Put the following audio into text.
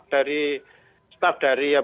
dari staff dari